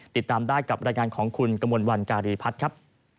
ติดตามได้กับรายงานของคุณกมลวันการีพัฒน์ครับ